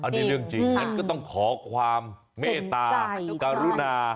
อันนี้เรื่องจริงงั้นก็ต้องขอความเมตตากรุณา